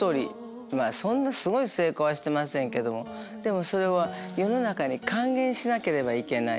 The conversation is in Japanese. まぁそんなすごい成功はしてませんけどもでもそれは世の中に還元しなければいけない。